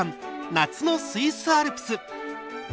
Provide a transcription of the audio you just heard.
夏のスイスアルプス」。